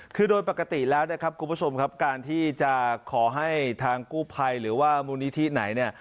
คือโดยปกติแล้วนะครับคุณผู้ชมครับการที่จะขอให้ทางกู้ภัยหรือว่ามูลนิธิไหนเนี่ย